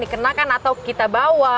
dikenakan atau kita bawa